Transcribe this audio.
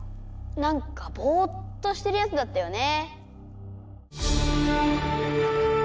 なんかボーッとしてるヤツだったよね。